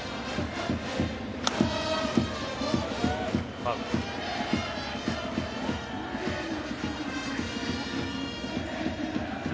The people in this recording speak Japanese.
ファウル。